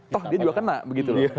toh dia juga kena begitu loh